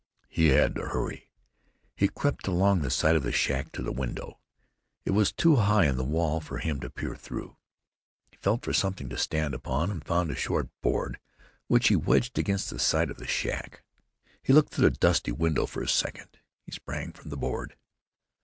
He had to hurry. He crept along the side of the shack to the window. It was too high in the wall for him to peer through. He felt for something to stand upon, and found a short board, which he wedged against the side of the shack. He looked through the dusty window for a second. He sprang from the board.